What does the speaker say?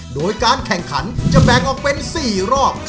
โดยการแข่งขันจะแบ่งออกเป็น๔รอบ